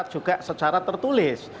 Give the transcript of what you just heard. juga secara tertulis